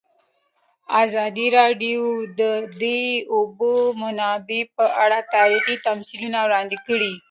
ازادي راډیو د د اوبو منابع په اړه تاریخي تمثیلونه وړاندې کړي.